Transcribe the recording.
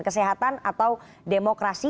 kesehatan atau demokrasi